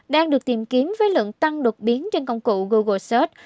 đang được tìm kiếm với lượng tăng đột biến trên công cụ google search